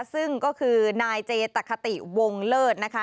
ซึ่งก็คือนายเจตะคติวงเลิศนะคะ